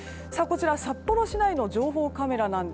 札幌市内の情報カメラ。